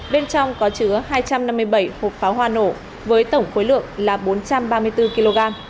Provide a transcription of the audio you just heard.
bên trong có chứa hai trăm năm mươi bảy hộp pháo hoa nổ với tổng khối lượng là bốn trăm ba mươi bốn kg